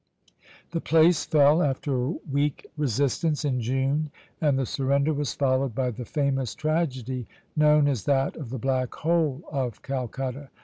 The place fell, after a weak resistance, in June, and the surrender was followed by the famous tragedy known as that of the Black Hole of Calcutta.